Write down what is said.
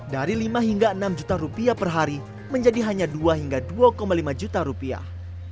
dari lima hingga enam juta rupiah per hari menjadi hanya dua hingga dua lima juta rupiah